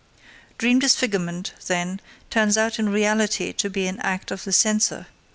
Dream disfigurement, then, turns out in reality to be an act of the censor.